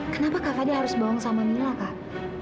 kenapa kak fadil harus bohong sama mila kak